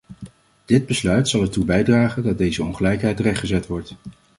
Dit besluit zal ertoe bijdragen dat deze ongelijkheid rechtgezet wordt.